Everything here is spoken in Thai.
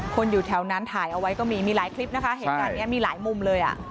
อยู่แถวนั้นถ่ายเอาไว้ก็มีมีหลายคลิปนะคะเหตุการณ์นี้มีหลายมุมเลยอ่ะ